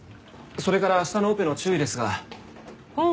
それから明日のオペの注意ですが。